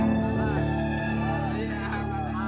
ada despair akannya